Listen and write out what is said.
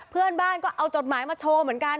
เพื่อนบ้านก็เอาจดหมายมาโชว์เหมือนกัน